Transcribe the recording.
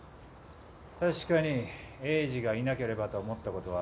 確かに栄治がいなければと思ったことはある。